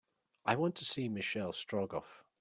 I want to see Michel Strogoff